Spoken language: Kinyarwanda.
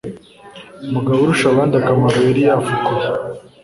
mugaburushabandakamaro yari yafukuye.